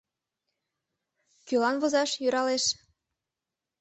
Кӧлан возаш йӧралеш?